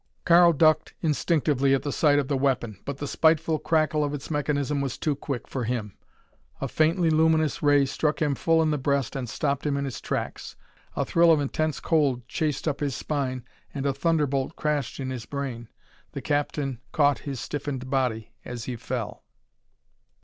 Karl ducked instinctively at sight of the weapon, but the spiteful crackle of its mechanism was too quick for him. A faintly luminous ray struck him full in the breast and stopped him in his tracks. A thrill of intense cold chased up his spine and a thunderbolt crashed in his brain. The captain caught his stiffened body as he fell.